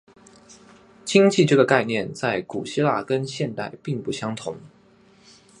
经济这个概念在古希腊跟现代并不相同。